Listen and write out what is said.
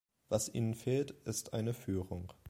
Was ihnen fehlt, ist eine Führung.